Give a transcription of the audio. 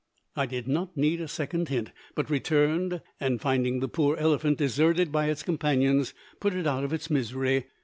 I did not need a second hint, but returned, and, finding the poor elephant deserted by its companions, put it out of its misery.